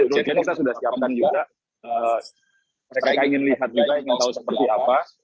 jadi kita sudah siapkan juga mereka ingin lihat juga ingin tahu seperti apa